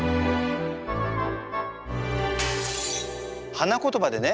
花言葉でね